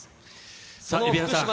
さあ、蛯原さん。